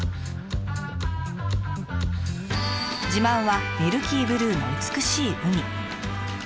自慢はミルキーブルーの美しい海。